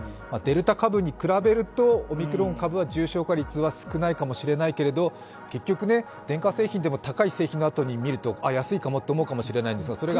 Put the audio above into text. デルタ株に比べるとオミクロン株は重症化率は少ないかもしれないけれども、結局、電化製品でも高い製品のあとに見ると安いかもと思うかもしれないけど。